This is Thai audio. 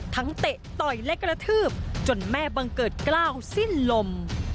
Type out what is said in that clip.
เตะต่อยและกระทืบจนแม่บังเกิดกล้าวสิ้นลม